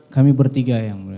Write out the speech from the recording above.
kami bertiga yang mulia